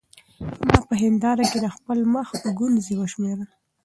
ما په هېنداره کې د خپل مخ ګونځې وشمېرلې.